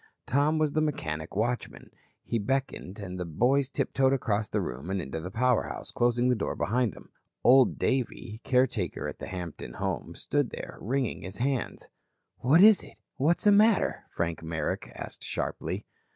Tom was the mechanic watchman. He beckoned, and the boys tiptoed across the room and into the power house, closing the door behind them. Old Davey, caretaker at the Hampton home, stood there, wringing his hands. "What is it? What's the matter?" Frank Merrick asked sharply.